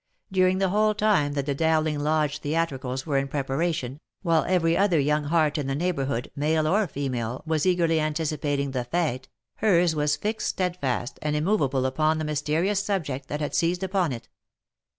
During the whole time that the Dowling Lodge theatricals were in preparation, while every other young heart in the neighbourhood, male or female, was eagerly anti cipating the fete, hers was fixed steadfast and immoveable upon the mysterious subject that had seized upon it.